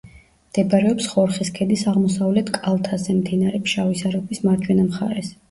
მდებარეობს ხორხის ქედის აღმოსავლეთ კალთაზე, მდინარე ფშავის არაგვის მარჯვენა მხარეს.